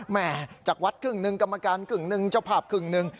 แม่จากวัดครึ่งหนึ่งกรรมการครึ่งหนึ่งเจ้าภาพครึ่งหนึ่ง